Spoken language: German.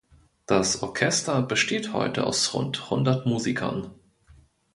Das Orchester besteht heute aus rund hundert Musikern.